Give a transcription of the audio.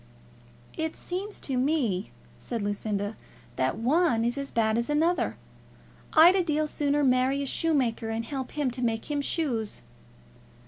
"It seems to me," said Lucinda, "that one is as bad as another. I'd a deal sooner marry a shoemaker and help him to make shoes."